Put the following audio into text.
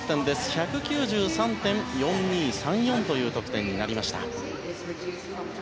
１９３．４２３４という得点になりました。